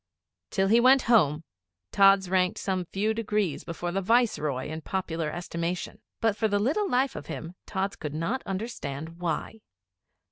Till he went Home, Tods ranked some few degrees before the Viceroy in popular estimation. But for the little life of him Tods could not understand why.